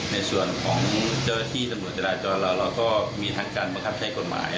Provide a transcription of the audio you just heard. ในส่วนของเจ้าหน้าที่ตำรวจจราจรเราเราก็มีทั้งการบังคับใช้กฎหมาย